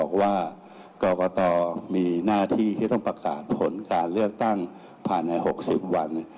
การเลือกตั้งผ่านใน๖๐วัน